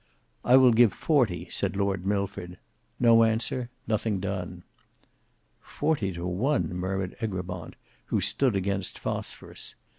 "I will give forty," said Lord Milford. No answer,—nothing done. "Forty to one!" murmured Egremont who stood against Phosphorus.